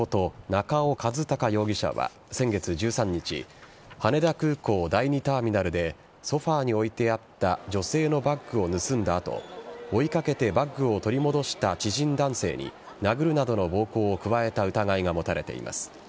中尾和貴容疑者は先月１３日羽田空港第２ターミナルでソファに置いてあった女性のバッグを盗んだ後追い掛けてバッグを取り戻した知人男性に殴るなどの暴行を加えた疑いが持たれています。